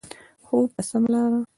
خو په سمه لاره.